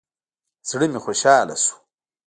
زړه مې خوشاله سو.